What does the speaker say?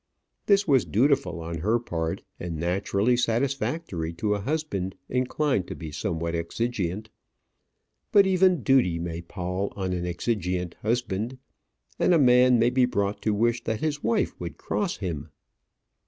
This was dutiful on her part, and naturally satisfactory to a husband inclined to be somewhat exigeant. But even duty may pall on an exigeant husband, and a man may be brought to wish that his wife would cross him.